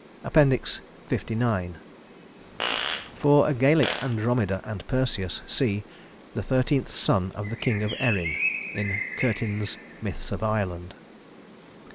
LIX For a Gaelic Andromeda and Perseus, see "The Thirteenth Son of the King of Erin" in Curtin's "Myths of Ireland."